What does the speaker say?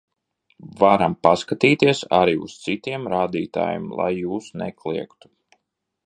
Varam paskatīties arī uz citiem rādītājiem, lai jūs nekliegtu.